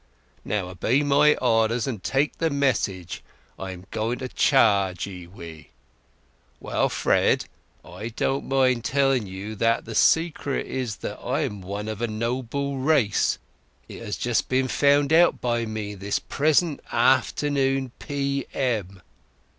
Now obey my orders, and take the message I'm going to charge 'ee wi'... Well, Fred, I don't mind telling you that the secret is that I'm one of a noble race—it has been just found out by me this present afternoon, p.m."